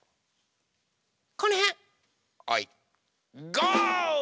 ゴー！